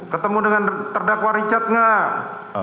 ketemu dengan terdakwa richard nggak